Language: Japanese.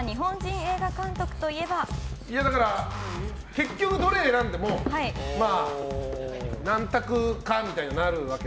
結局、どれ選んでも何択かみたいになる。